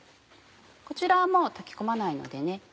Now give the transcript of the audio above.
こちらはもう炊き込まないのでね。